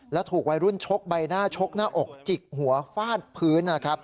และถูกไว้รุ่นชกใบหน้าชกหน้าอกจิกหัวฟาดพื้น